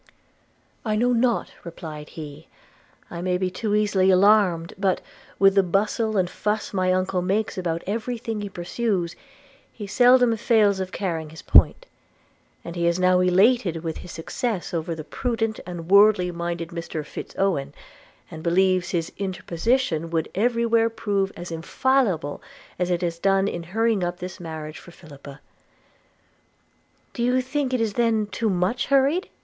'I know not,' replied he. 'I may be too easily alarmed; but, with the bustle and fuss my uncle makes about every thing he pursues, he seldom fails of carrying his point; and he is now elated with his success over the prudent and worldly minded Mr Fitz Owen, and believes his interposition would every where prove as infallible as it has done in hurrying up this marriage for Philippa.' 'Do you think it then too much hurried?'